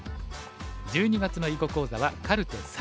１２月の囲碁講座は「カルテ③」。